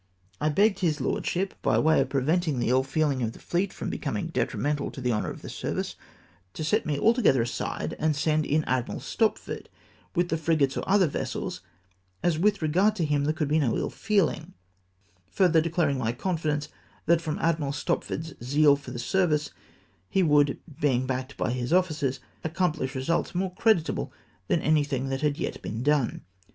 I begged his lordship, by AM SENT HOME. 397 way of preventing the ill feeling of tlie fleet from becoming detrimental to the honour of the service, to set me altogether aside, and send in Admiral Stopford, with the frigates or other vessels, as with regard to him there could be no ill feehng ; further declaring my confidence that from Admiral Stopford's zeal for the service, he would, being backed by his oificers, accom phsh results more creditable than anything that had yet been done.